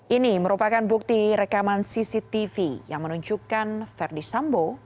ini merupakan bukti rekaman cctv yang menunjukkan verdi sambo